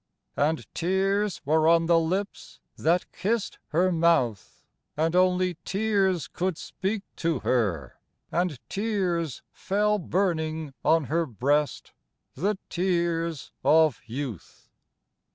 And tears were on the lips that kissed her mouth, And only tears could speak to her, and tears Fell burning on her breast the tears of youth.